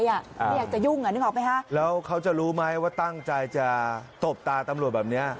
ไม่อยากจะยุ่งอ่ะนึกออกไหมฮะแล้วเขาจะรู้ไหมว่าตั้งใจจะตบตาตำรวจแบบเนี้ย